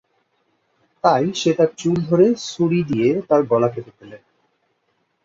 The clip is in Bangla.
তাই সে তার চুল ধরে ছুরি দিয়ে তার গলা কেটে ফেলে।